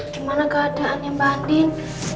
gimana keadaannya mbak andin